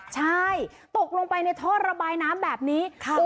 ใช่ตกลงไปในท่อระบายน้ำแบบนี้